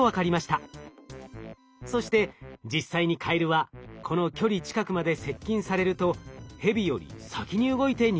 そして実際にカエルはこの距離近くまで接近されるとヘビより先に動いて逃げ始めます。